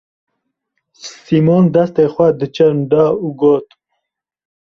Sîmon destê xwe di çerm da û got: